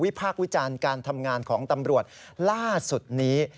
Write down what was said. พากษ์วิจารณ์การทำงานของตำรวจล่าสุดนี้